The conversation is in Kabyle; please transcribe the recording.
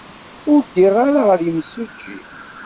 Ur ddiɣ ara ɣer yimsujji.